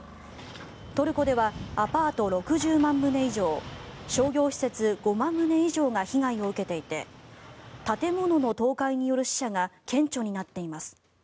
トルコではアパート６０万棟以上商業施設５万棟以上が被害を受けていて建物の倒壊による死者が顕著になっています。